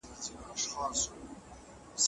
بڅرکی او پتیال هره اونۍ د بالښت پوښ مینځی.